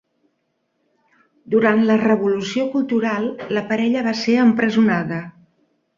Durant la Revolució Cultural la parella va ser empresonada.